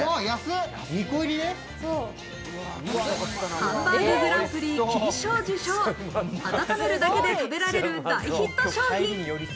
ハンバーググランプリ金賞受賞、温めるだけで食べられる大ヒット商品。